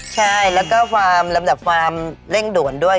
ใช่แล้วก็ความลำดับความเร่งด่วนด้วย